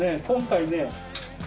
今回ね